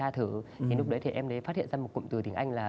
thì lúc đấy thì em mới phát hiện ra một cụm từ tiếng anh là